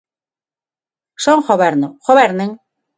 Son goberno, ¡gobernen!